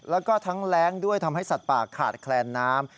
แล้วก็ทั้งแรงด้วยทำให้สัตว์ป่าขาดแคลนน้ำ